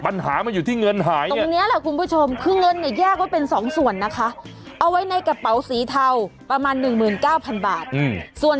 ปัญหามาอยู่ที่เงินหายเนี่ย